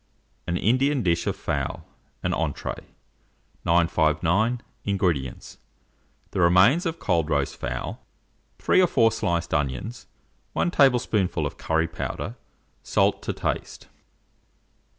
AN INDIAN DISH OF FOWL (an Entree). 959. INGREDIENTS. The remains of cold roast fowl, 3 or 4 sliced onions, 1 tablespoonful of curry powder, salt to taste.